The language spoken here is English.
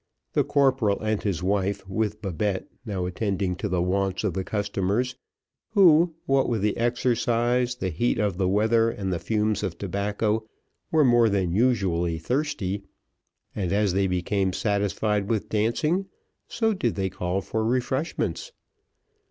The corporal and his wife, with Babette, now attending to the wants of their customers, who, what with the exercise, the heat of the weather, and the fumes of tobacco, were more than usually thirsty, and as they became satisfied with dancing, so did they call for refreshments.